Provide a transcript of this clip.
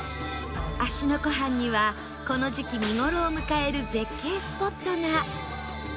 芦ノ湖畔にはこの時期見頃を迎える絶景スポットが